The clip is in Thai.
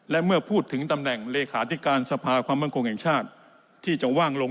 และเมื่อพูดถึงตำแหน่งเลขาธิการสภาความมั่นคงแห่งชาติที่จะว่างลง